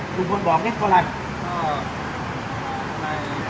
คุณคุณบอกเนี่ยกว่าอะไร